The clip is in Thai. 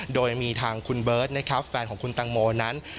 โดยมีทางคุณเบิร์ทแฟนของคุณแตงโมนั้น